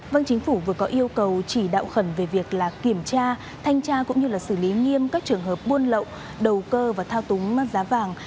vâng chính phủ vừa có yêu cầu chỉ đạo khẩn về việc kiểm tra thanh tra cũng như xử lý nghiêm các trường hợp buôn lậu đầu cơ và thao túng giá vàng